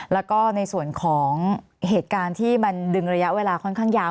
แล้วก็ในส่วนของเหตุการณ์ที่มันดึงระยะเวลาค่อนข้างยาว